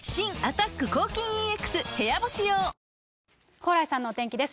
蓬莱さんのお天気です。